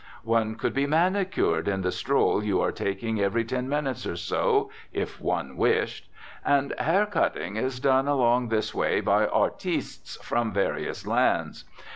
One could be "manicured" in the stroll you are taking every ten minutes or so, if one wished. And "hair cutting" is done along this way by artistes from various lands.